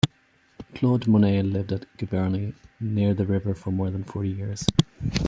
Claude Monet lived at Giverny near the river for more than forty years.